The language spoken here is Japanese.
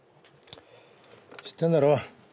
知ってんだろ？